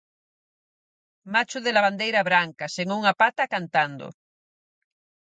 Macho de lavandeira branca, sen unha pata, cantando.